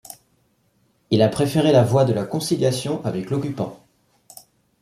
Il a préféré la voie de la conciliation avec l'occupant.